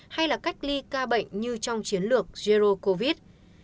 hay là cách ly ca bệnh như trong chiến lược zero covid